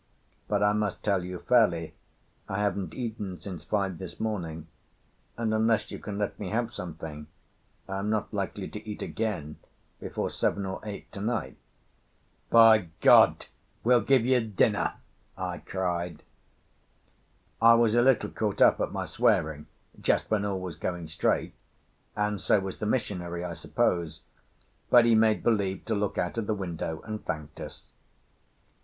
"But I must tell you fairly, I haven't eaten since five this morning, and, unless you can let me have something I am not likely to eat again before seven or eight to night." "By God, we'll give you dinner!" I cried. I was a little caught up at my swearing, just when all was going straight; and so was the missionary, I suppose, but he made believe to look out of the window, and thanked us.